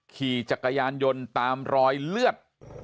ขี่จักรายายนตามลอยเลือด